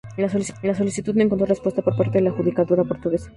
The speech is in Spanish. La solicitud no encontró respuesta por parte de la judicatura portuguesa.